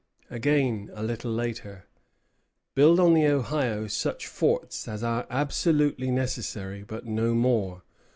Again, a little later: "Build on the Ohio such forts as are absolutely necessary, but no more.